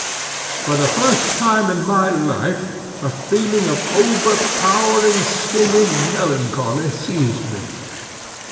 For the first time in my life a feeling of overpowering stinging melancholy seized me.